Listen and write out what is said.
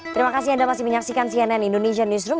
terima kasih anda masih menyaksikan cnn indonesia newsroom